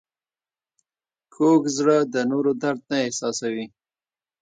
کوږ زړه د نورو درد نه احساسوي